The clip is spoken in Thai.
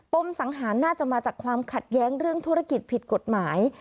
มสังหารน่าจะมาจากความขัดแย้งเรื่องธุรกิจผิดกฎหมาย